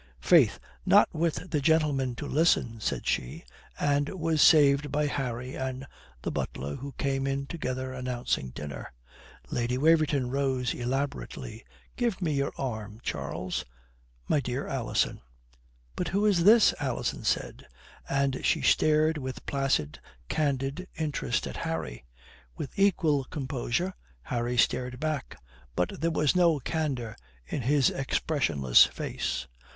"Faith, not with the gentlemen to listen," said she, and was saved by Harry and the butler, who came in together announcing dinner. Lady Waverton rose elaborately. "Give me your arm, Charles. My dear Alison " "But who is this?" Alison said, and she stared with placid, candid interest at Harry. With equal composure Harry stared back. But there was no candour in his expressionless face.